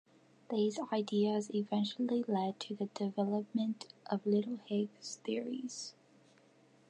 These ideas eventually led to the development of little Higgs theories.